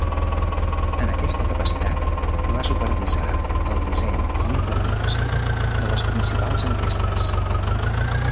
En aquesta capacitat, va supervisar el disseny i implementació de les principals enquestes.